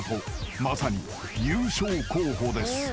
［まさに優勝候補です］